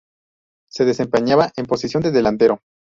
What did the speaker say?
Se desempeñaba en posición de delantero.